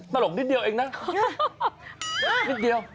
ตลกนิดเดียวเองนะนิดเดียว